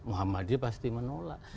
muhammadiyah pasti menolak